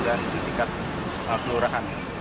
dan di tingkat kelurahan